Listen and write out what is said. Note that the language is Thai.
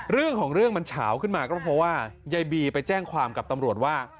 เรื่องของเรื่องมันเฉาขึ้นมาก็เพราะว่ายายบีไปแจ้งความกับตำรวจว่า